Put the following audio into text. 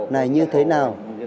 này như thế nào